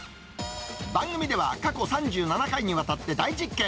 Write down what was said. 番組では過去３７回にわたって大実験。